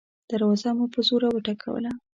دروازه مو په زوره وټکوله.